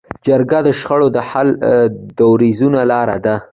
جرګه د شخړو د حل دودیزه لاره ده.